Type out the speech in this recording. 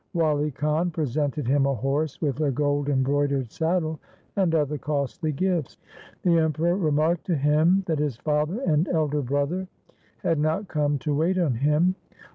Wali Khan presented him a horse with a gold embroidered saddle and other costly gifts. The Emperor remarked to him that his father and elder brother had not come to wait on him.